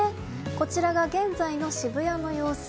こちらが現在の渋谷の様子。